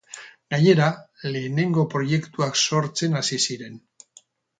Gainera, lehenengo proiektuak sortzen hasi ziren.